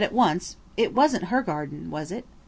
at once said it wasn't her garden, was it?